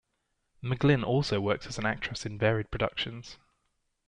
McGlynn also works as an actress in varied productions.